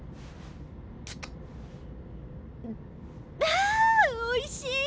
あおいしい！